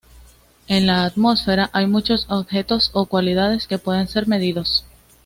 En la atmósfera, hay muchos objetos o cualidades que pueden ser medidos.